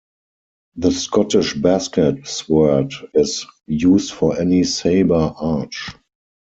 The Scottish basket sword is used for any Saber Arch.